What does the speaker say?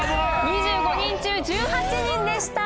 ２５人中１８人でした。